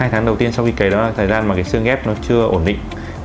hai tháng đầu tiên sau khi cấy đó là thời gian mà cái xương ghép nó chưa ổn định